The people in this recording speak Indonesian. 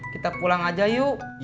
kita pulang aja yuk